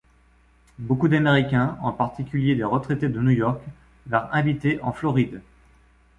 Beaucoup d'américains, en particulier des retraités de New York, vinrent habiter en Floride.